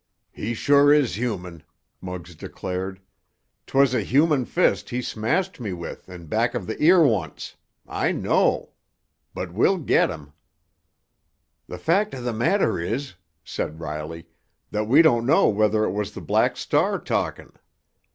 "He sure is human!" Muggs declared. "'Twas a human fist he smashed me with in back of the ear once—I know! But we'll get him!" "The fact of the matter is," said Riley, "that we don't know whether it was the Black Star talkin'.